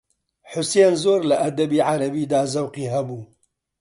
حوسێن زۆر لە ئەدەبی عەرەبیدا زەوقی هەبوو